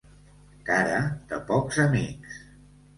Cara de pocs amics.